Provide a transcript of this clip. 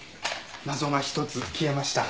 謎が一つ消えました。